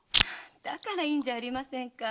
だからいいんじゃありませんか。